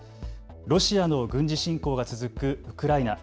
ロシアの軍事侵攻が続くウクライナ。